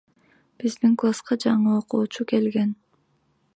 Биздин класска жаңы окуучу келген.